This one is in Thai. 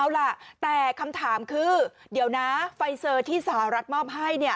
เอาล่ะแต่คำถามคือเดี๋ยวนะไฟเซอร์ที่สหรัฐมอบให้เนี่ย